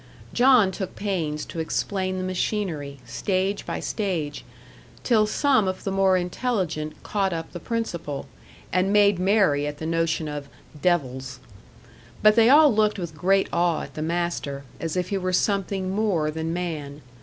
John took pains to explain the machinery, stage by stage, till some of the more intelligent caught up the principle, and made merry at the notion of "devils." But they all looked with great awe at the master, as if he were something more than man.